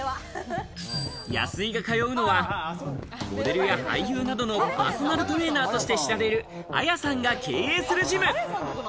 安井が通うのはモデルや俳優などのパーソナルトレーナーとして知られるＡＹＡさんが経営するジム。